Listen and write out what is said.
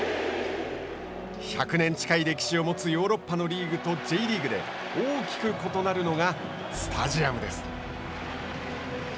１００年近い歴史を持つヨーロッパのリーグとＪリーグで大きく異なるのがスタジアムです。